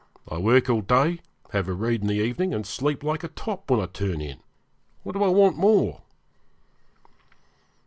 I work all day, have a read in the evening, and sleep like a top when I turn in. What do I want more?'